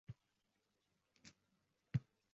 Endi bu maqolning tarixiga to`xtalsak